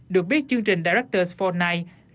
được biết chương trình director for night